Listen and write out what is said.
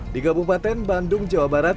di kabupaten bandung jawa barat